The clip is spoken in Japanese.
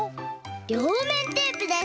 りょうめんテープです！